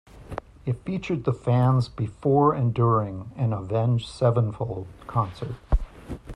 It featured the fans before and during an Avenged Sevenfold concert.